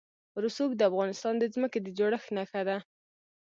رسوب د افغانستان د ځمکې د جوړښت نښه ده.